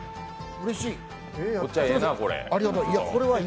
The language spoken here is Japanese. うれしい！